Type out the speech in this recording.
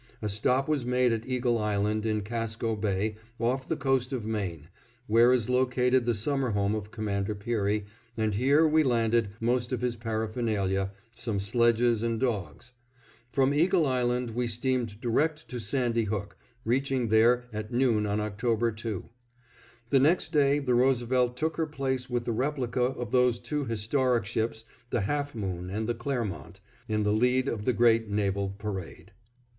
A stop was made at Eagle Island, in Casco Bay, off the coast of Maine, where is located the summer home of Commander Peary, and here we landed most of his paraphernalia, some sledges and dogs. From Eagle Island we steamed direct to Sandy Hook, reaching there at noon on October 2. The next day the Roosevelt took her place with the replica of those two historic ships, the Half Moon and the Clermont, in the lead of the great naval parade.